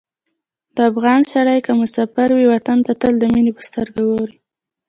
د افغان سړی که مسافر وي، وطن ته تل د مینې په سترګه ګوري.